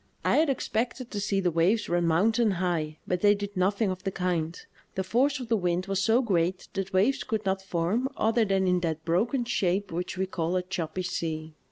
I had expected to see the waves run "mountain high," but they did nothing of the kind ; the force of the wind was so great that waves could not form other than in that broken shape which we call " a choppy sea."